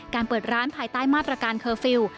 เปิดร้านภายใต้มาตรการเคอร์ฟิลล์